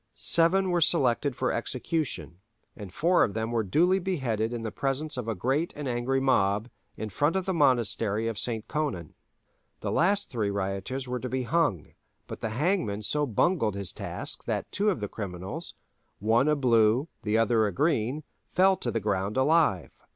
Seven were selected for execution, and four of them were duly beheaded in the presence of a great and angry mob, in front of the monastery of St. Conon. The last three rioters were to be hung, but the hangman so bungled his task that two of the criminals, one a Blue the other a Green, fell to the ground alive.